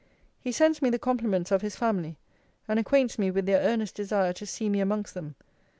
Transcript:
'He sends me the compliments of his family; and acquaints me with their earnest desire to see me amongst them.